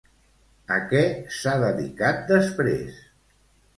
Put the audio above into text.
A què s'ha dedicat després?